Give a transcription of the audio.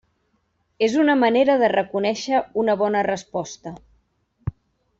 És una manera de reconèixer una bona resposta.